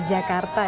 jangan lupa ya